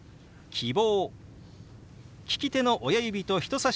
「希望」。